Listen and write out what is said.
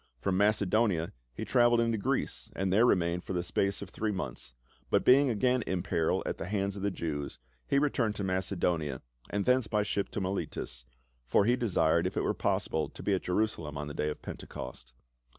From Macedonia he traveled into Greece and there remained for the space of three months, but being again in peril at the hands of the Jews, he returned to Macedonia and thence by ship to Miletus, for he desired if it were possible to be at Jerusalem on the day of Pentecost.